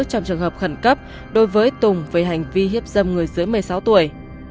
trong trường hợp khẩn cấp đối với tùng về hành vi hiếp dâm người dưới một mươi sáu tuổi